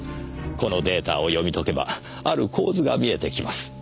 このデータを読み解けばある構図が見えてきます。